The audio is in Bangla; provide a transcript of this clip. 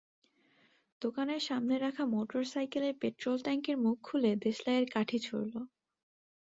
দোকানের সামনে রাখা মোটরসাইকেলের পেট্রল ট্যাংকের মুখ খুলে দেশলাইয়ের কাঠি ছুড়ল।